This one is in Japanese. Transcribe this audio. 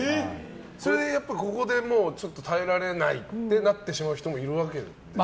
それはやっぱりここで耐えられないってなってしまう人もいるわけですか？